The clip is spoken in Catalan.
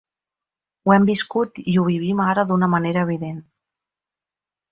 Ho hem viscut i ho vivim ara d’una manera evident.